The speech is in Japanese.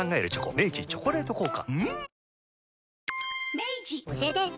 明治「チョコレート効果」